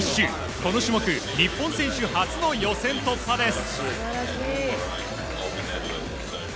この種目日本選手初の予選突破です。